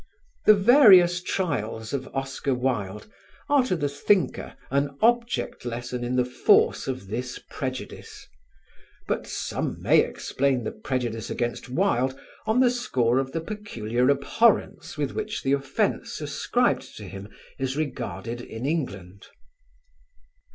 The various trials of Oscar Wilde are to the thinker an object lesson in the force of this prejudice, but some may explain the prejudice against Wilde on the score of the peculiar abhorrence with which the offence ascribed to him is regarded in England.